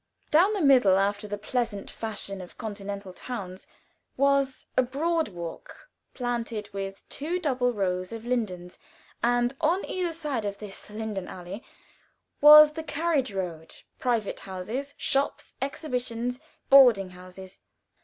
Down the middle, after the pleasant fashion of continental towns, was a broad walk, planted with two double rows of lindens, and on either side this lindenallee was the carriage road, private houses, shops, exhibitions, boarding houses.